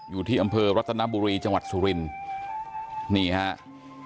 อยู่ที่อำเภอรัตนบุรีจังหวัดสุรินทร์นี่ครับ